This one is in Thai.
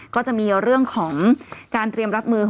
ก็จะมีเรื่องของการเตรียมรับมือ